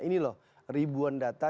ini loh ribuan data